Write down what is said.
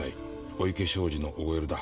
小池商事のＯＬだ。